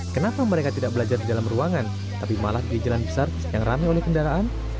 kenapa mereka tidak belajar di dalam ruangan tapi malah di jalan besar yang rame oleh kendaraan